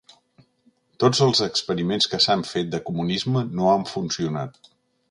Tots els experiments que s’han fet de comunisme no han funcionat.